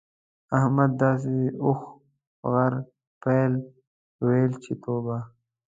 احمد داسې اوښ، غر، پيل؛ ويل چې توبه!